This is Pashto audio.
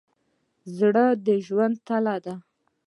زړه د ژوند تله ده.